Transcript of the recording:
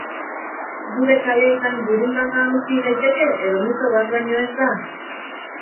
Gure kaleetan burundanga aurki daiteke edo mito bat baino ez da?